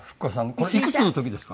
これいくつの時ですか？